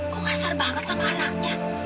gue kasar banget sama anaknya